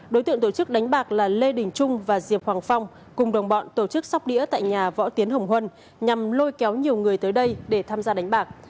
đối tượng tổ chức đánh bạc là lê đình trung và diệp hoàng phong cùng đồng bọn tổ chức sóc đĩa tại nhà võ tiến hồng huân nhằm lôi kéo nhiều người tới đây để tham gia đánh bạc